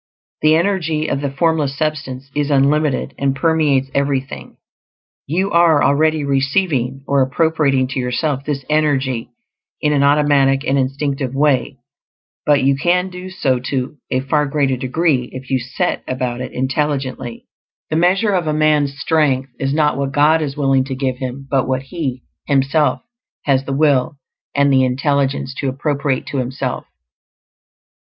The energy of the Formless Substance is unlimited, and permeates everything; you are already receiving or appropriating to yourself this energy in an automatic and instinctive way, but you can do so to a far greater degree if you set about it intelligently. The measure of a man's strength is not what God is willing to give him, but what he, himself, has the will and the intelligence to appropriate to himself.